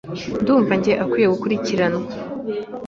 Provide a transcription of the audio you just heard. ndumva njye akwiye gukurikiranwa.